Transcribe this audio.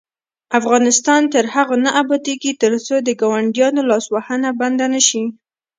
افغانستان تر هغو نه ابادیږي، ترڅو د ګاونډیانو لاسوهنه بنده نشي.